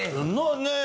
ねえ。